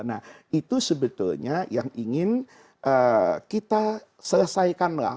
nah itu sebetulnya yang ingin kita selesaikan lah